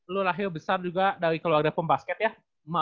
lu lahir besar juga dari keluarga pembasket ya